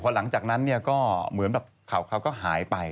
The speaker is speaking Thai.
หลังจากนั้นเนี่ยก็เหมือนแบบข่าวก็หายไป